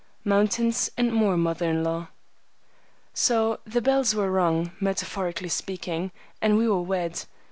MOUNTAINS AND MORE MOTHER IN LAW. So the bells were rung, metaphorically speaking, and we were wed.